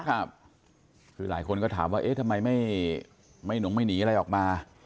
คือหลายคนก็ถามว่าเอ๊ะทำไมไม่หลงไม่หนีอะไรออกมา